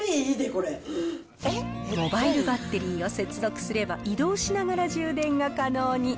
モバイルバッテリーを接続すれば、移動しながら充電が可能に。